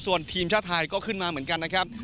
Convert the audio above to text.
ส่วนทีมชาติไทยก็ขึ้นมาเหมือนกันนะครับ